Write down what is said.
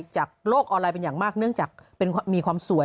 จากโลกออนไลน์เป็นอย่างมากเนื่องจากมีความสวย